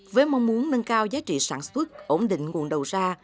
với mong muốn nâng cao giá trị sản xuất ổn định nguồn đầu ra